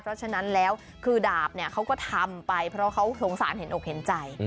เพราะฉะนั้นแล้วคือดาบเนี่ยเขาก็ทำไปเพราะเขาสงสารเห็นอกเห็นใจ